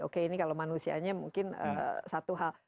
oke ini kalau manusianya mungkin satu hal